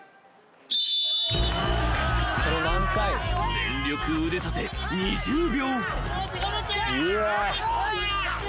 ［全力腕立て２０秒］